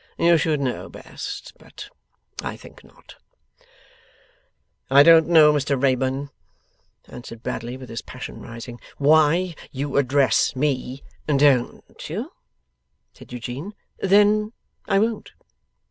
You should know best, but I think not.' 'I don't know, Mr Wrayburn,' answered Bradley, with his passion rising, 'why you address me ' 'Don't you? said Eugene. 'Then I won't.